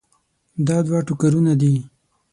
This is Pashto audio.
دا دوه ټوکرونه دي.